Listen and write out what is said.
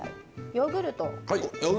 ヨーグルト。